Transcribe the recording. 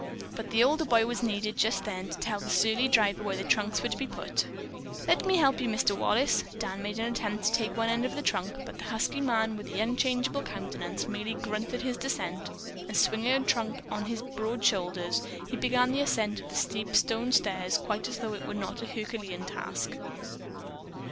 But the older boy was needed just then to tell the surly driver where the trunks were to be put. "Let me help you, Mr. Wallace." Dan made an attempt to take one end of a trunk, but the husky man, with the unchangeable countenance, merely grunted his dissent, and swinging a trunk up on his broad shoulders, he began the ascent of the steep stone stairs quite as though it were not a herculean task.